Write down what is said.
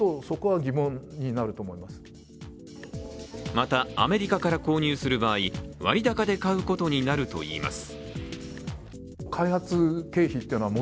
またアメリカから購入する場合、割高で買うことになるといいます。